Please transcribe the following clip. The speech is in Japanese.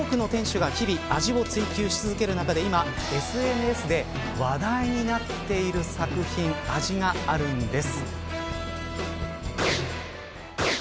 多くの店主が日々味を追究し続ける中で今、ＳＮＳで話題になっている味があるんです。